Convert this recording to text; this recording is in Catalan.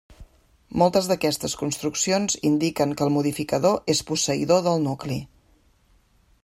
Moltes d'aquestes construccions indiquen que el modificador és posseïdor del nucli.